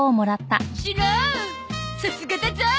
さすがだゾ！